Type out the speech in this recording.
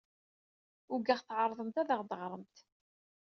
Ugaɣ tɛerḍemt ad aɣ-d-teɣremt.